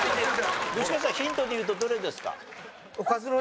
具志堅さんヒントでいうとどれですか？